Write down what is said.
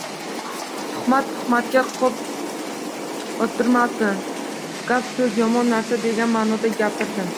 Tuhmat-puhmatga qop o`tirmasin, gap-so`z yomon narsa degan ma`noda gapirdim